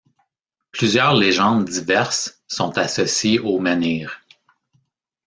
Plusieurs légendes diverses sont associées au menhir.